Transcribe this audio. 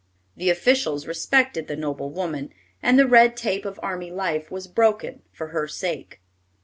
The officials respected the noble woman, and the red tape of army life was broken for her sake.